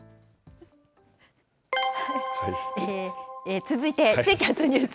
えー、続いて、地域発ニュース。